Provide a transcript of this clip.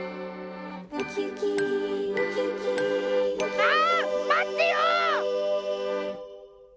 ああまってよ！